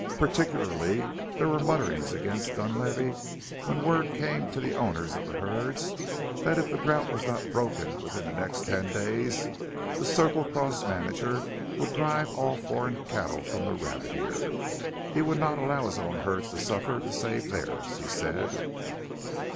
Particularly were there mutterings against Dunlavey when word came to the owners of the herds that if the drought was not broken within the next ten days the Circle Cross manager would drive all foreign cattle from the Rabbit Ear. He would not allow his own herds to suffer to save theirs, he said.